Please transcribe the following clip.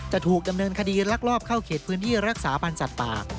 จะถูกดำเนินคดีลักลอบเข้าเขตพื้นที่รักษาพันธ์สัตว์ป่า